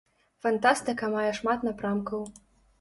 Фантастыка мае шмат напрамкаў.